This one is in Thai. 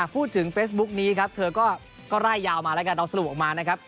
พูดถึงเฟซบุ๊กนี้ครับเธอก็ไล่ยาวมาแล้วกันเอาสรุปออกมานะครับ